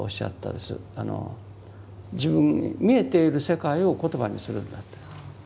自分に見えている世界を言葉にするんだって。